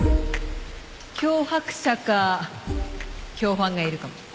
脅迫者か共犯がいるかも？